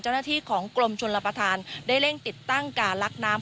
เจ้าหน้าที่ของกลมชนรปฐานเริ่มเลี่ยงติดตั้งการลักน้ำ